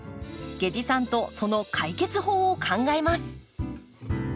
下司さんとその解決法を考えます。